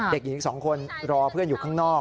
เด็กหญิงอีก๒คนรอเพื่อนอยู่ข้างนอก